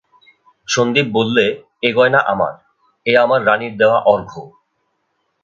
সন্দীপ বললে, এ গয়না আমার, এ আমার রানীর দেওয়া অর্ঘ্য।